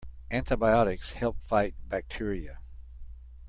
Antibiotics help fight bacteria.